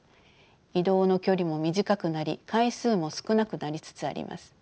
移動の距離も短くなり回数も少なくなりつつあります。